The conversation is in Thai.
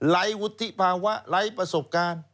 วุฒิภาวะไร้ประสบการณ์